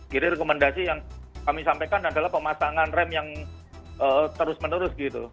jadi rekomendasi yang kami sampaikan adalah pemasangan rem yang terus menerus gitu